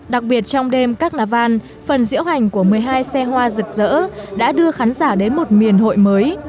đặc biệt trong đêm carnival phần diễu hành của một mươi hai xe hoa rực rỡ đã đưa khán giả đến một miền hội mới